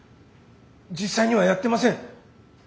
実際にはやってません。